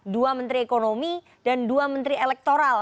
dua menteri ekonomi dan dua menteri elektoral